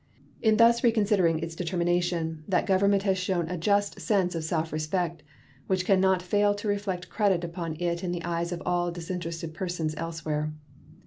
In thus reconsidering its determination that Government has shown a just sense of self respect which can not fail to reflect credit upon it in the eyes of all disinterested persons elsewhere.